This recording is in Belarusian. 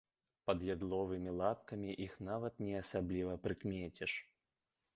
Пад яловымі лапкамі іх нават не асабліва прыкмеціш.